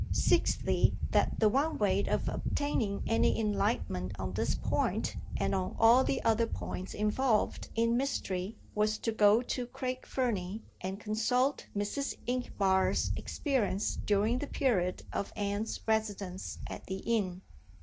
Sixthly, that the one way of obtaining any enlightenment on this point, and on all the other points involved in mystery, was to go to Craig Fernie, and consult Mrs. Inchbare's experience during the period of Anne's residence at the inn.